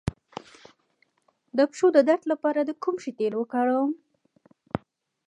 د پښو درد لپاره د کوم شي تېل وکاروم؟